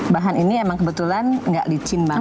bahan ini emang kebetulan nggak licin bang